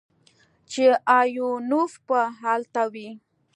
چې ايوانوف به الته وي.